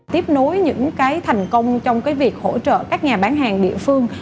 tiếp nối những cái thành công trong cái việc hỗ trợ các nhà bán hàng địa phương